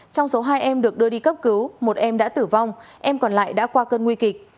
trong số hai em được đưa đi cấp cứu một em đã tử vong em còn lại đã qua cơn nguy kịch